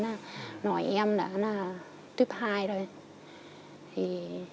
nói em là tuyếp hai rồi